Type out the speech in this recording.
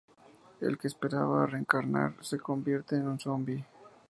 Él que esperaba reencarnar, se convierte en un zombie.